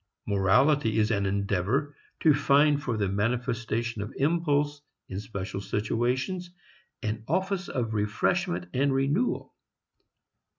Morality is an endeavor to find for the manifestation of impulse in special situations an office of refreshment and renewal.